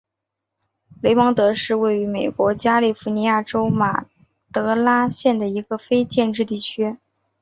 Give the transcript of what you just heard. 雷蒙德是位于美国加利福尼亚州马德拉县的一个非建制地区。